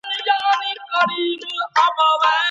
تر ټولو جالبه داده، چي وروسته الله تعالی فرمايي.